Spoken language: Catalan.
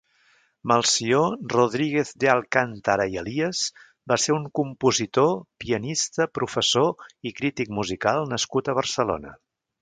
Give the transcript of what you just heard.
Melcior Rodríguez de Alcántara i Elias va ser un compositor, pianista, professor i crític musical nascut a Barcelona.